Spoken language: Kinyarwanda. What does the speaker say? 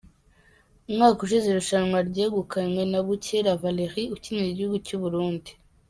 Umwaka ushize irushanwa ryegukanywe na Bukera Valery ukinira igihugu cy’u Burundi.